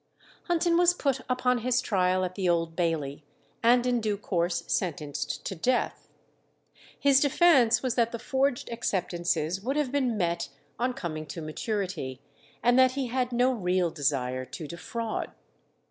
Hunton was put upon his trial at the Old Bailey, and in due course sentenced to death. His defence was that the forged acceptances would have been met on coming to maturity, and that he had no real desire to defraud.